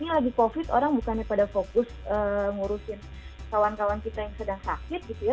ini lagi covid orang bukannya pada fokus ngurusin kawan kawan kita yang sedang sakit gitu ya